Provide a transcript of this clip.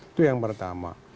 itu yang pertama